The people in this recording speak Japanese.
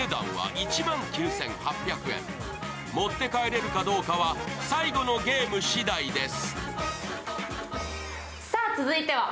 持って帰れるかどうかは最後のゲームしだいです。